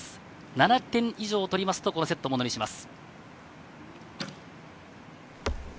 ７点以上取りますと、このセットをものにします。